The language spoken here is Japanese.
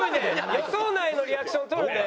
予想内のリアクションとるね。